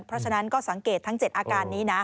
เพราะฉะนั้นก็สังเกตทั้ง๗อาการนี้นะ